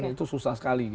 itu susah sekali